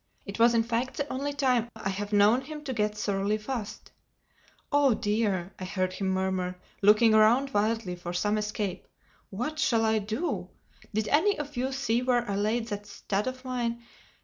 It was in fact the only time I have known him to get thoroughly fussed. "Oh dear!" I heard him murmur, looking around wildly for some escape. "What shall I do?—Did any of you see where I laid that stud of mine?